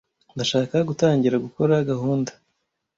Ndashaka gutangira gukora gahunda.